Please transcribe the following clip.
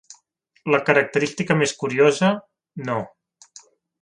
La característica més curiosa, no.